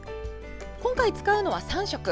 今回使うのは、３色。